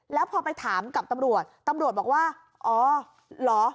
แล้วพอไปถามกับตำรวจตำรวจบอกว่าอ๋อเหรอ